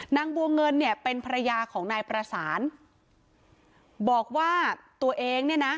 นางบัวเงินเนี่ยเป็นภรรยาของนายประสานบอกว่าตัวเองเนี่ยนะ